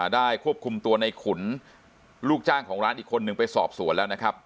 ควบคุมตัวในขุนลูกจ้างของร้านอีกคนนึงไปสอบสวนแล้วนะครับ